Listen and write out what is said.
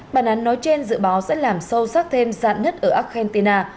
bản án nói trên dự báo sẽ làm sâu sắc thêm dạn nứt ở argentina